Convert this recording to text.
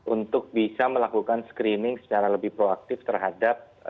untuk bisa melakukan screening secara lebih proaktif terhadap